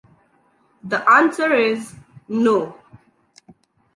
The answer is no.